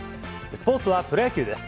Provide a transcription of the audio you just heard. スポーツはプロ野球です。